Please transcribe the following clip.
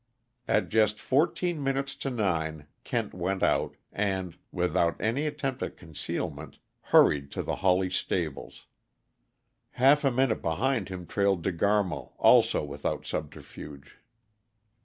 At just fourteen minutes to nine Kent went out, and, without any attempt at concealment, hurried to the Hawley stables. Half a minute behind him trailed De Garmo, also without subterfuge.